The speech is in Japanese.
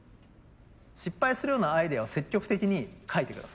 失敗するようなアイデアを積極的にかいて下さい。